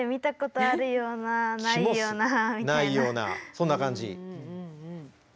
そんな感じ。